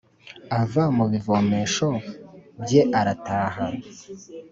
ava mu bivomesho bye arataha